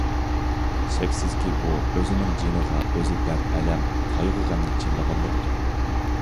شەكسىزكى، بۇ ئۆزىنىڭ جېنىغا ئۆزى دەرد - ئەلەم، قايغۇ - غەمنى چىللىغانلىقتۇر.